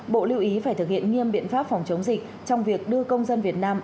bộ lưu ý phải thực hiện nghiêm biện pháp phòng chống dịch trong việc đưa công dân việt nam